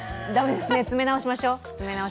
詰め直しましょう。